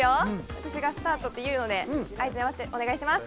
私がスタートって言うので合図を待ってお願いします